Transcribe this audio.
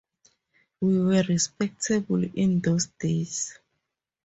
We were respectable in those days.